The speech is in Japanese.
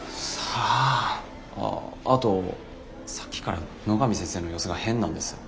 ああとさっきから野上先生の様子が変なんです。